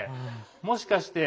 もしかして。